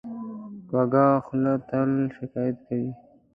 کوږه خوله تل شکایت کوي